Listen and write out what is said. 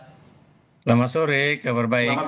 selamat sore kabar baik